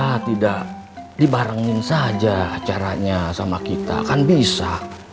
kenapa tidak dibarangin saja acaranya sama kita kan bisa